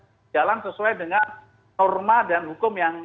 berjalan sesuai dengan norma dan hukum yang